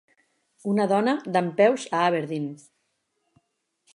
Una dona dempeus a Aberdeen.